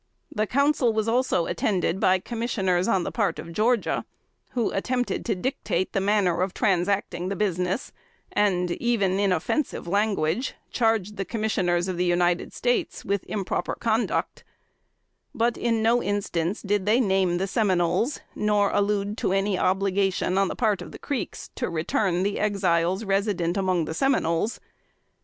The Council was also attended by Commissioners on the part of Georgia, who attempted to dictate the manner of transacting the business, and, even in offensive language, charged the Commissioners of the United States with improper conduct; but in no instance did they name the Seminoles, nor allude to any obligation, on the part of the Creeks, to return the Exiles resident among the Seminoles.